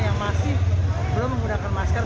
yang masih belum menggunakan masker